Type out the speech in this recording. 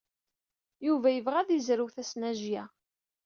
Yuba yebɣa ad yezrew tasnajya.